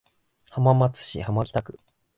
浜松市浜北区